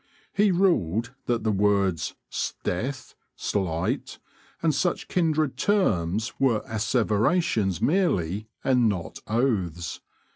He ruled that the words "s'death," "s'light," and such kindred terms, were asseverations merely, and not oaths.